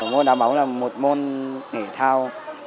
môn đá bóng là một môn thể thao